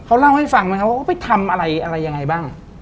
เขาเล่าให้ฟังไหมครับว่าเขาไปทำอะไรอะไรยังไงบ้าง